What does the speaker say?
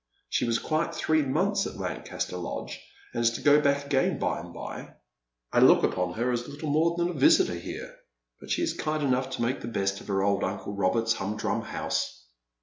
She was quite three months at Lancaster Lodge, and is to go back again by and by. I look upon her as little more than a visitor here ; but she is kind enough to make the best of her old uncle Robert's humdrum house."